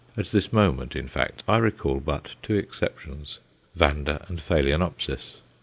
At this moment, in fact, I recall but two exceptions, Vanda and Phaloenopsis.